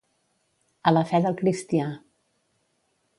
A la fe del cristià.